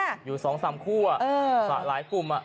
อยู่๒๓คู่อ่ะสระหลายภูมิอ่ะ